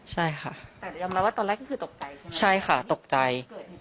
ใช่ค่ะแต่ยอมรับว่าตอนแรกก็คือตกใจใช่ไหมใช่ค่ะตกใจ